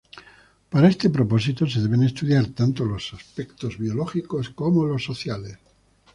Para este propósito se deben estudiar tanto los aspectos biológicos como los sociales.